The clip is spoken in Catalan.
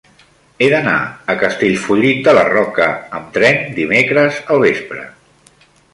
He d'anar a Castellfollit de la Roca amb tren dimecres al vespre.